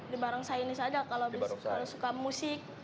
di barongsai ini saja kalau suka musik